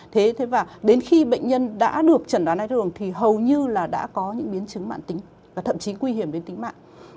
thế và đến khi bệnh nhân đã được chẩn đoán hay thường thì hầu như là đã có những biến chứng mạng tính và thậm chí nguy hiểm đến tính mạng